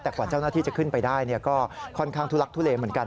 แต่กว่าเจ้าหน้าที่จะขึ้นไปได้ก็ค่อนข้างทุลักทุเลเหมือนกัน